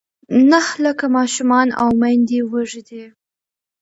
نهه لاکه ماشومان او میندې وږې دي.